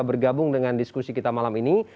bergabung dengan diskusi kita malam ini